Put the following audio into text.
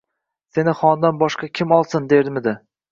“Seni xondan boshqa kim olsin?” – dermidi?